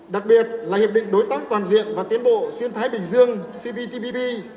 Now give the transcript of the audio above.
đặc biệt là hiệp định đối tác toàn diện và tiến bộ xuyên thái bình dương cptpp